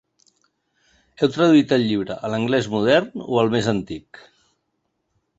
Heu traduït el llibre a l’anglès modern o el més antic?